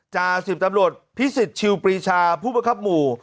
จาศีพตำรวจพิศิษฐ์ชิวปรีชาผู้บังคับหมู่